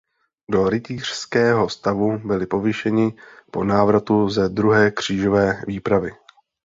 Do rytířského stavu byli povýšeni po návratu ze druhé křížové výpravy.